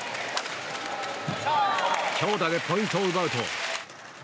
強打でポイントを奪うと。